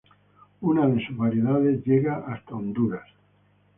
Una de sus variedades llega hasta Honduras.